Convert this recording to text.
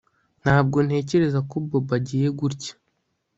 Ntabwo ntekereza ko Bobo agiye gutya